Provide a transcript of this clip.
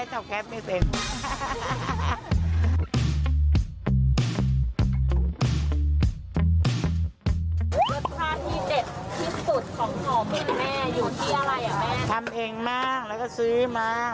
ทำเองมากแล้วก็ซื้อมาก